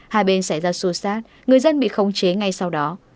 hai bên xảy ra xô xát người dân bị khống chế ngay sau đó